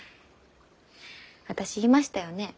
私言いましたよね？